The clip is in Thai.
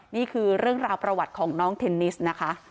นี่คือเรื่องราวประวัติของน้องเทนนิสนะคะ